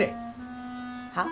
はっ？